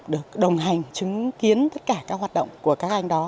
được đồng hành chứng kiến tất cả các hoạt động của các anh đó